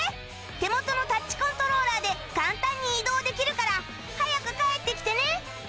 手元のタッチコントローラーで簡単に移動できるから早く帰ってきてね